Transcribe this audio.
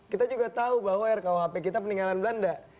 kita juga tahu bahwa rkuhp kita peninggalan belanda